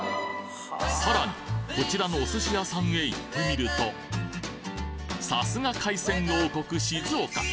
さらにこちらのおすし屋さんへ行ってみるとさすが海鮮王国静岡！